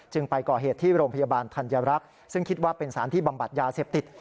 ไปก่อเหตุที่โรงพยาบาลธัญรักษ์ซึ่งคิดว่าเป็นสารที่บำบัดยาเสพติด